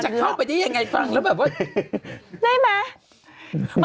จะเข้าไปได้ยังไงได้ไหม